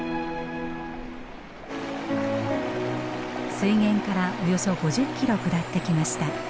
水源からおよそ５０キロ下ってきました。